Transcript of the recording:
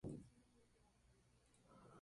Habita en Mongolia, China, Corea y Rusia.